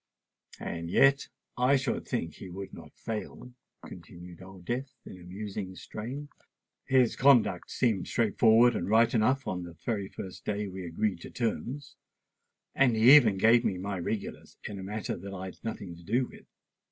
"And yet I should think he would not fail," continued Old Death in a musing strain. "His conduct seemed straight forward and right enough the very first day we agreed to terms; and he even gave me my regulars in a matter that I'd nothing to do with.